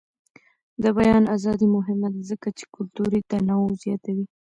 د بیان ازادي مهمه ده ځکه چې کلتوري تنوع زیاتوي.